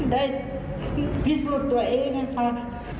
ได้พิสูจน์ตัวเองนะคะ